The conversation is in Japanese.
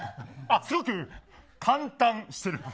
すごく感嘆してる。